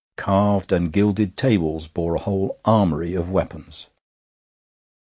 Carved and gilded tables bore a whole armoury of weapons.